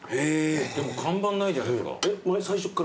でも看板ないじゃないですか。